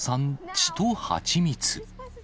血と蜂蜜。